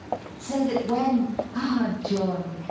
VIII So that when (Ah, joy!)